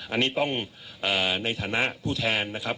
อันนี้ต้องในฐานะผู้แทนนะครับ